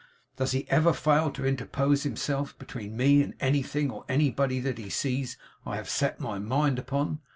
Does he ever fail to interpose himself between me and anything or anybody that he sees I have set my mind upon?